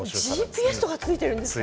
ＧＰＳとかついてるんですか？